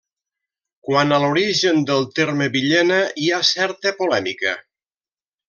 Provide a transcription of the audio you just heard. Quant a l'origen del terme Villena, hi ha certa polèmica.